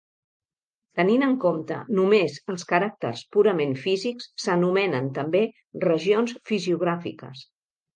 Tenint en compte només els caràcters purament físics s'anomenen també regions fisiogràfiques.